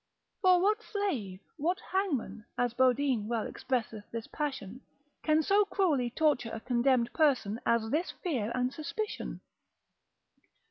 For what slave, what hangman (as Bodine well expresseth this passion, l. 2. c. 5. de rep.) can so cruelly torture a condemned person, as this fear and suspicion?